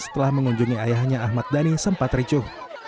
setelah mengunjungi ayahnya ahmad dhani sempat ricuh